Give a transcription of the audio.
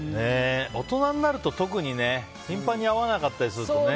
大人になると特に頻繁に合わなかったりするとね。